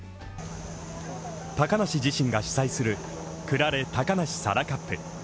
高梨自身が主催するクラレ高梨沙羅カップ。